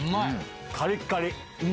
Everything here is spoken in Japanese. カリカリ！